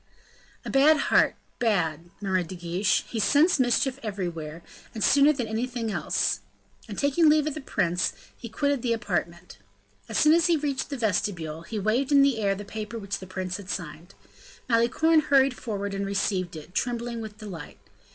"A bad heart, bad!" murmured De Guiche; "he scents mischief everywhere, and sooner than anything else." And taking leave of the prince, he quitted the apartment. As soon as he reached the vestibule, he waved in the air the paper which the prince had signed. Malicorne hurried forward, and received it, trembling with delight.